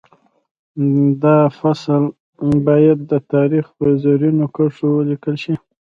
دا فصل باید د تاریخ په زرینو کرښو ولیکل شي